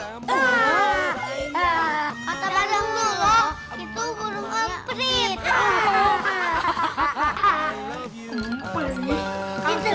anggangnya dijual bersih apa sih